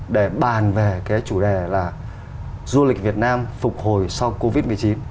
để bàn về cái chủ đề là du lịch việt nam phục hồi sau covid một mươi chín